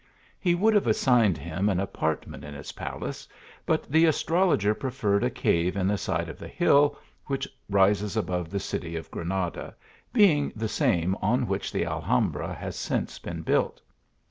He would have assigned him an apartment in his palace, but the astrologer preferred a cave in the side of the hill, which rises above the city of Granada, being the same on which the Alhambra has since been built.